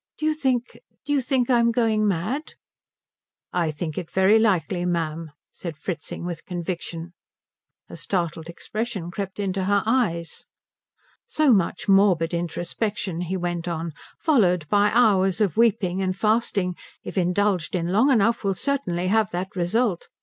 "Do you think do you think I'm going mad?" "I think it very likely, ma'am," said Fritzing with conviction. A startled expression crept into her eyes. "So much morbid introspection," he went on, "followed by hours of weeping and fasting, if indulged in long enough will certainly have that result.